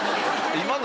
今の。